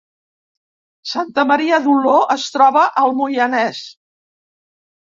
Santa Maria d’Oló es troba al Moianès